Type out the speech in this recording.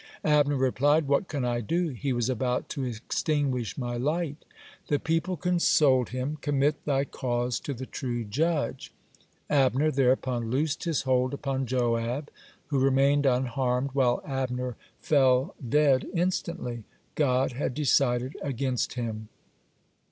Abner replied: "What can I do? He was about to extinguish my light." The people consoled him: "Commit thy cause to the true Judge." Abner thereupon loosed his hold upon Joab, who remained unharmed, while Abner fell dead instantly. God had decided against him.